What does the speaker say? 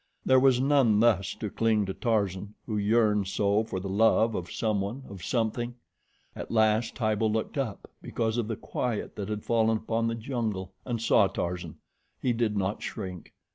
There was none thus to cling to Tarzan, who yearned so for the love of someone, of something. At last Tibo looked up, because of the quiet that had fallen upon the jungle, and saw Tarzan. He did not shrink.